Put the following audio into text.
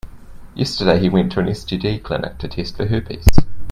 Yesterday, he went to an STD clinic to test for herpes.